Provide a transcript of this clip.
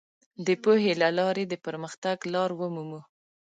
د پوهې له لارې د پرمختګ لار ومومو.